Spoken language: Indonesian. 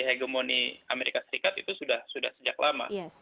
hegemoni amerika serikat itu sudah sejak lama